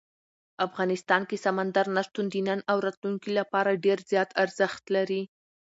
افغانستان کې سمندر نه شتون د نن او راتلونکي لپاره ډېر زیات ارزښت لري.